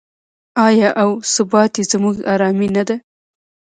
آیا او ثبات یې زموږ ارامي نه ده؟